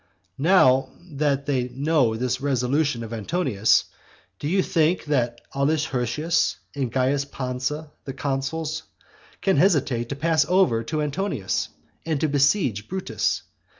Now that they know this resolution of Antonius, do you think that Aulus Hirtius and Caius Pansa, the consuls, can hesitate to pass over to Antonius? to besiege Brutus?